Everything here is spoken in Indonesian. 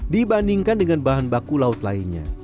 dibandingkan dengan bahan baku laut lainnya